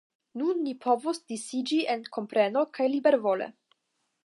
Nun ni povos disiĝi en kompreno — kaj libervole.